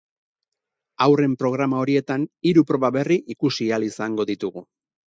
Haurren programa horietan hiru proba berri ikusi ahal izango ditugu.